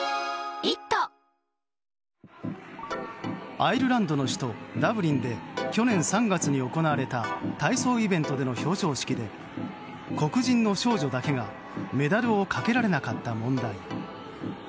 アイルランドの首都ダブリンで去年３月に行われた体操イベントでの表彰式で黒人の少女だけがメダルをかけられなかった問題。